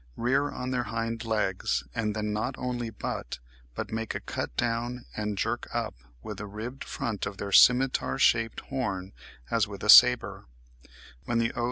rear on their hind legs, and then not only butt, but "make a cut down and a jerk up, with the ribbed front of their scimitar shaped horn, as with a sabre. When the O.